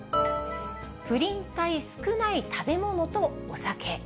プリン体少ない食べ物とお酒。